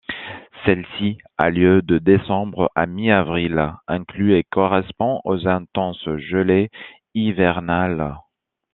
Celle-ci a lieu de décembre à mi-avril inclus et correspond aux intenses gelées hivernales.